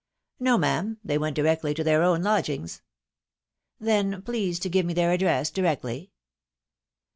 " No, ma'am, they went directly to their own lodgings." " Then please to give me their address directly."